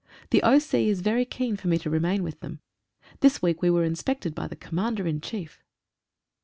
The O.C. is very keen for me to re main with them. This week we were inspected by the Commander in Chief.